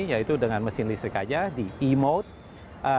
yaitu dengan mesin listrik aja di e mode